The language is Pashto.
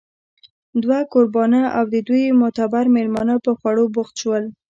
دوه کوربانه او د دوی معتبر مېلمانه په خوړلو بوخت شول